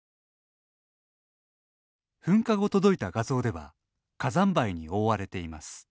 噴火後、届いた画像では火山灰に覆われています。